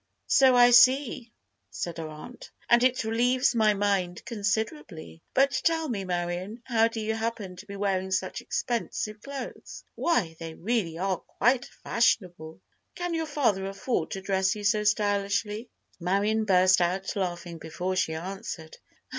"So I see," said her aunt, "and it relieves my mind considerably. But tell me, Marion, how do you happen to be wearing such expensive clothes? Why, they are really quite fashionable! Can your father afford to dress you so stylishly?" Marion burst out laughing before she answered.